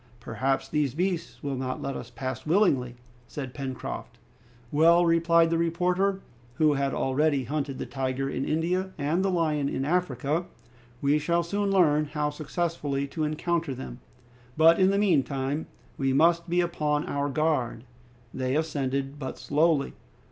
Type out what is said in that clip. "Perhaps these beasts will not let us pass by willingly," said Pencroft. "Well," replied the reporter, who had already hunted the tiger in India, and the lion in Africa, "we shall soon learn how successfully to encounter them. But in the meantime we must be upon our guard!" They ascended but slowly.